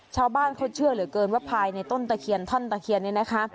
ชาวบ้านเขาเชื่อเหลือเกินว่าภายในต้นตะเคียนท่อนตะเคียนเนี่ยนะคะ